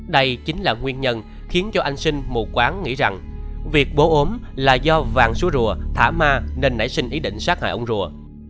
đây chính là nguyên nhân khiến cho anh sinh mù quán nghĩ rằng việc bố ốm là do vàng súa rùa thả ma nên nảy sinh ý định sát hại ông rùa